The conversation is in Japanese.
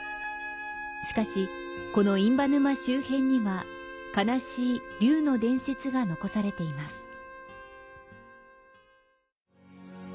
しかしこの印旛沼周辺には、悲しい龍の伝説が残されています。